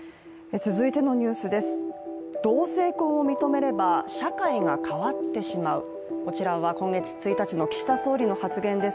続いてのニュースです。